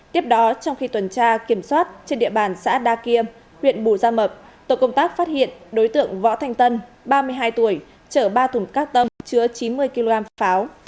tiếp đó trong khi tuần tra kiểm soát trên địa bàn xã đa kiêm huyện bù gia mập tổ công tác phát hiện đối tượng võ thanh tân ba mươi hai tuổi chở ba thùng các tông chứa chín mươi kg pháo